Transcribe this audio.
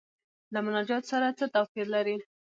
له مناجات سره څه توپیر لري.